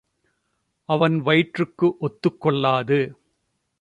அவன் வயிற்றுக்கு ஒத்துக்கொள்ளாது.